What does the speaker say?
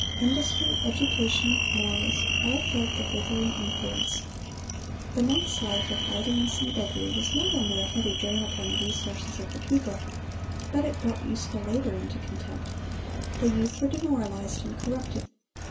Industry, education, morals, all felt the withering influence. The monks' life of idleness and beggary was not only a heavy drain upon the resources of the people, but it brought useful labor into contempt. The youth were demoralized and corrupted.